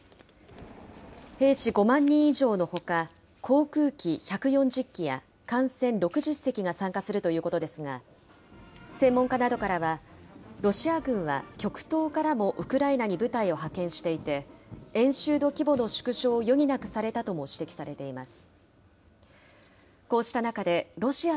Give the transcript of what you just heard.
兵士５万人以上のほか、航空機１４０機や艦船６０隻が参加するということですが、専門家などからはロシア軍は極東からもウクライナに部隊を派遣していて、演習の規模の縮小を余儀なくされたとも指摘されています。